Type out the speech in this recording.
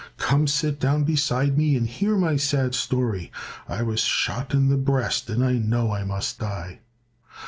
"Come sit down beside me and hear my sad story; I was shot in the breast and I know I must die.